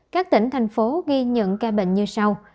các tỉnh thành phố ghi nhận ca bệnh như sau